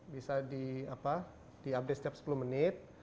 bisa di update setiap sepuluh menit